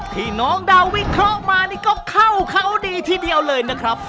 ที่น้องดาววิเคราะห์มานี่ก็เข้าเขาดีทีเดียวเลยนะครับ